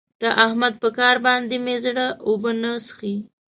د احمد په کار باندې مې زړه اوبه نه څښي.